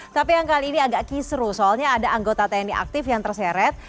tapi yang kali ini agak kisru soalnya ada anggota tni aktif yang terseret